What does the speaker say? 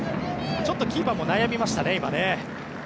ちょっとキーパーも悩みましたね。